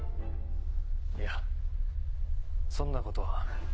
いやそんなことは。